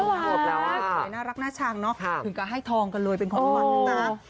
ใดน่ารักหน้าชั้นคือก็ให้ทองกันเลยเป็นของหนิงนะ